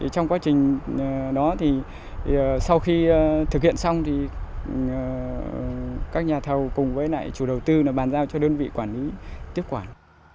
trong quá trình đó thì sau khi thực hiện xong thì các nhà thầu cùng với lại chủ đầu tư bàn giao cho đơn vị quản lý tiếp quản